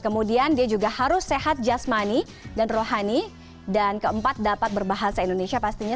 kemudian dia juga harus sehat jasmani dan rohani dan keempat dapat berbahasa indonesia pastinya